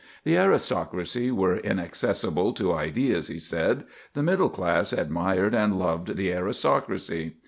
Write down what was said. The aristocracy were inaccessible to ideas, he said; the middle class admired and loved the aristocracy.